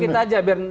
beritahu dulu bang